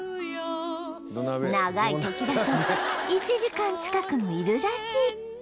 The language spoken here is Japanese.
長い時だと１時間近くもいるらしい